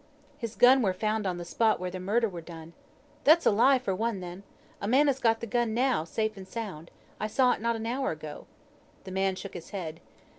"His gun were found on th' spot where the murder were done." "That's a lie for one, then. A man has got the gun now, safe and sound; I saw it not an hour ago." The man shook his head.